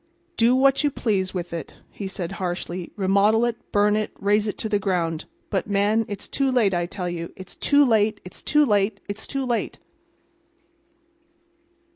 "Do what you please with it," he said harshly. "Remodel it, burn it, raze it to the ground. But, man, it's too late I tell you. It's too late. It's too late. It's too late."